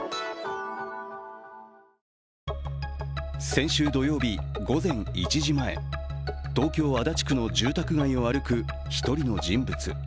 先週土曜日、午前１時前、東京・足立区の住宅街を歩く１人の人物。